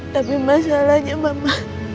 tapi masalahnya mama